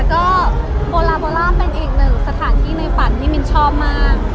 ก็โบลาโบร่ามเป็นอีกหนึ่งสถานที่ในฝันที่มินชอบมาก